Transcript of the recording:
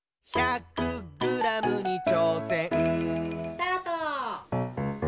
・スタート！